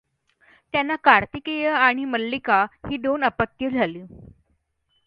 त्यांना कार्तिकेय आणि मल्लिका ही दोन अपत्ये झाली.